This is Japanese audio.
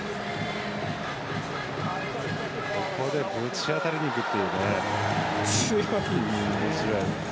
ここでぶち当たりにいくっていうね。